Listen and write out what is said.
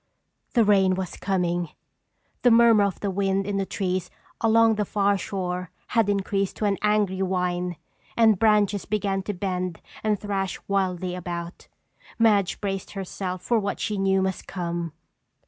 The rain was coming! The murmur of the wind in the trees along the far shore had increased to an angry whine and branches began to bend and thrash wildly about. Madge braced herself for what she knew must come.